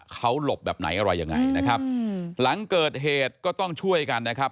เขาหลบแบบไหนอะไรยังไงนะครับหลังเกิดเหตุก็ต้องช่วยกันนะครับ